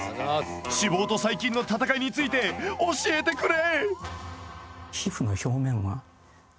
脂肪と細菌の戦いについて教えてくれ！